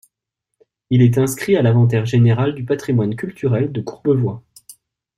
Il est inscrit à l'Inventaire général du patrimoine culturel de Courbevoie.